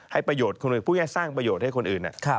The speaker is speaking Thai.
ประโยชน์คุณพูดง่ายสร้างประโยชน์ให้คนอื่น